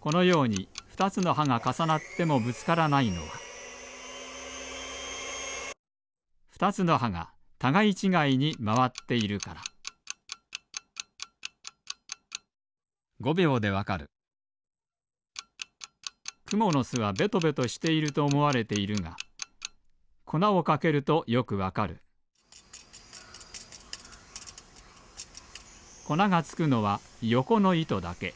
このように２つのはがかさなってもぶつからないのは２つのはがたがいちがいにまわっているからくものすはベトベトしているとおもわれているがこなをかけるとよくわかるこながつくのはよこのいとだけ。